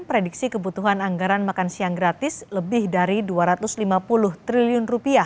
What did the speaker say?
prediksi kebutuhan anggaran makan siang gratis lebih dari rp dua ratus lima puluh triliun